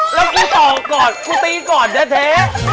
แล้วกูต่อก่อนกูตีก่อนแท้